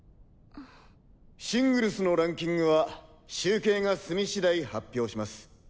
シングルスのランキングは集計が済み次第発表します。